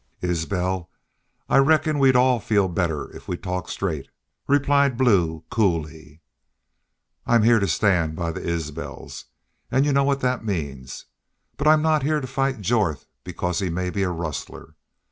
"Isbel, I reckon we'd all feel better if we talk straight," replied Blue, coolly. "I'm heah to stand by the Isbels. An' y'u know what thet means. But I'm not heah to fight Jorth because he may be a rustler.